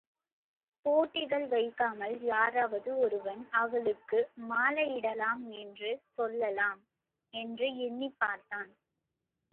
போட்டிகள் வைக்காமல் யாராவது ஒருவன் அவளுக்கு மாலையிடலாம் என்று சொல்லலாம் என்று எண்ணிப்பார்த்தான்.